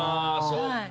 そっか。